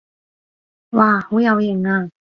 哇好有型啊